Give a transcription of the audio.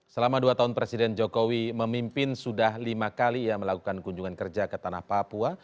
selama dua tahun presiden jokowi memimpin sudah lima kali ia melakukan kunjungan kerja ke tanah papua